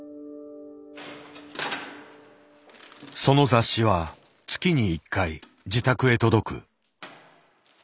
その雑誌は月に一回自宅へ届く。